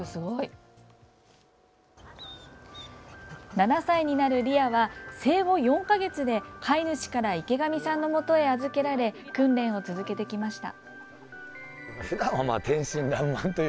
７歳になるリアは生後４か月で飼い主から池上さんのもとへ預けられ、訓練を続けてきました。